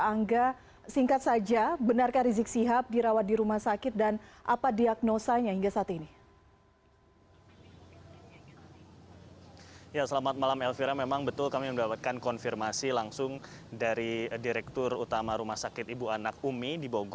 angga singkat saja benarkah rizik sihab dirawat di rumah sakit dan apa diagnosanya hingga saat ini